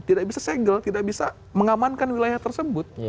tidak bisa segel tidak bisa mengamankan wilayah tersebut